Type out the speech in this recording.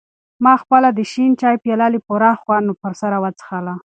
ما خپله د شین چای پیاله له پوره خوند سره وڅښله.